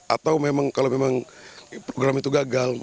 atau memang kalau memang program itu gagal